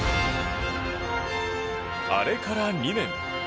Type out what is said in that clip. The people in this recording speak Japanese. あれから２年。